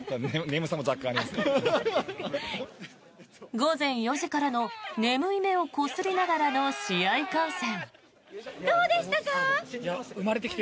午前４時からの眠い目をこすりながらの試合観戦。